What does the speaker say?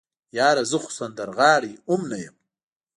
يره زه خو سندرغاړی ام نه يم.